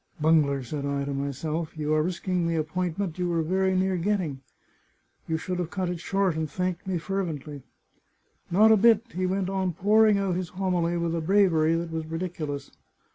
" Bungler," said I to myself, " you are risking the appointment you were very near get ting! You should have cut it short, and thanked me fer vently." Not a bit, he went on pouring out his homily with a bravery that was ridiculous.